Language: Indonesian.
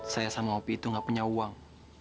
saya sama opi itu gak punya uang